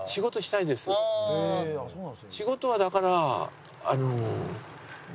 仕事はだから。